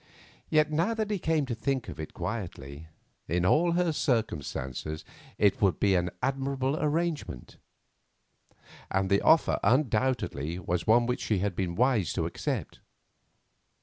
Yet, now that he came to think of it quietly, in all her circumstances it would be an admirable arrangement, and the offer undoubtedly was one which she had been wise to accept.